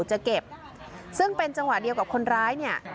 จะเก็บซึ่งเป็นจังหวะเดียวกับคนร้ายเนี่ย